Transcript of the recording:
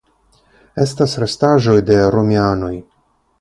Estas restaĵoj de romianoj.